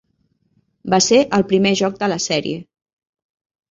Va ser el primer joc de la sèrie.